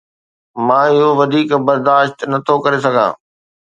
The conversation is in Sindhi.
مان اهو وڌيڪ برداشت نٿو ڪري سگهان